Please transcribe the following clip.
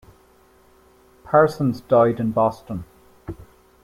Parsons died in Boston.